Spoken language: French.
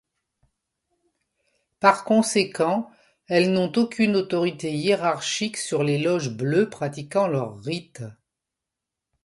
Par conséquent, elles n'ont aucune autorité hiérarchique sur les loges bleues pratiquant leur rite.